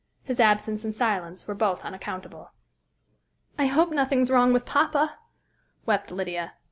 His absence and silence were both unaccountable. "I hope nothing is wrong with poppa," wept Lydia.